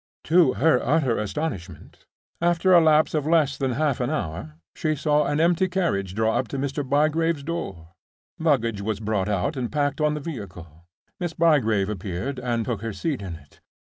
To her utter astonishment, after a lapse of less than half an hour she saw an empty carriage draw up at Mr. Bygrave's door. Luggage was brought out and packed on the vehicle. Miss Bygrave appeared, and took her seat in it.